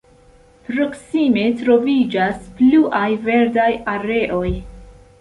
Proksime troviĝas pluaj verdaj areoj.